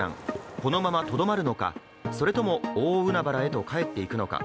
このままとどまるのか、それとも大海原へと帰っていくのか。